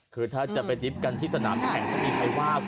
คือถ้าจะไปดริฟท์กันที่สนามแผงก็มีใครว่าครับ